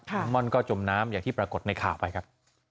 คุณม่อนก็จมน้ำอย่างที่ปรากฏในข่าวไปครับ